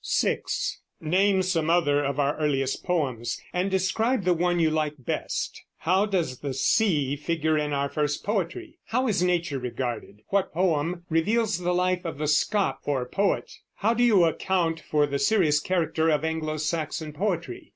6. Name some other of our earliest poems, and describe the one you like best. How does the sea figure in our first poetry? How is nature regarded? What poem reveals the life of the scop or poet? How do you account for the serious character of Anglo Saxon poetry?